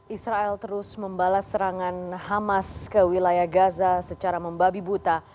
israel terus membalas serangan hamas ke wilayah gaza secara membabi buta